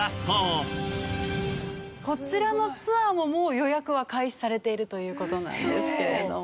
こちらのツアーももう予約は開始されているという事なんですけれども。